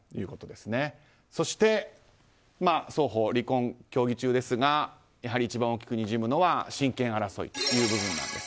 そして双方、離婚協議中ですが一番大きくにじむのは親権争いという部分です。